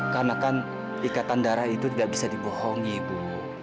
karena kan ikatan darah itu nggak bisa dibohongi bu